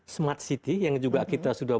smart city yang juga kita sudah